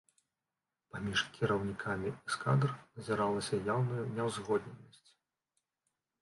Паміж кіраўнікамі эскадр назіралася яўная няўзгодненасць.